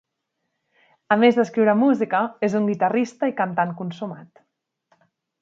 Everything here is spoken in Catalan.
A més d'escriure música, és un guitarrista i cantant consumat.